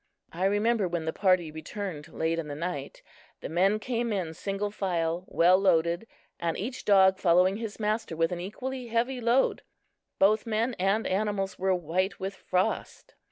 I remember when the party returned, late in the night. The men came in single file, well loaded, and each dog following his master with an equally heavy load. Both men and animals were white with frost.